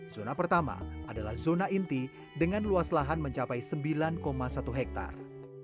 zona pertama adalah zona inti dengan luas lahan mencapai sembilan satu hektare